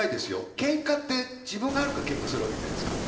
けんかって自分があるからけんかするわけじゃないですか。